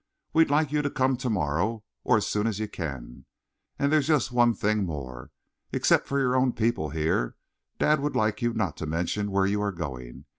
We'd like you to come to morrow, or as soon as you can. And there's just one thing more. Except for your own people here, dad would like you not to mention where you are going.